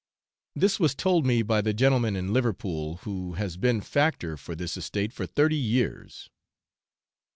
This was told me by the gentleman in Liverpool who has been factor for this estate for thirty years.